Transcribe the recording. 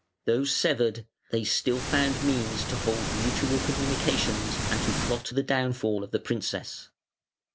Though severed, they still found means to hold mutual communications and to plot the downfall of the princess.